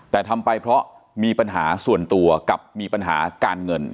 แต่ทำไปเพราะมีปัญหาส่วนตัวกับมีปัญหาการเงิน